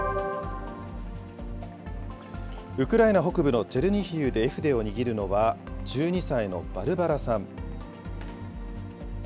ウクライナ北部のチェルニヒウで絵筆を握るのは１２歳のバルバラさん。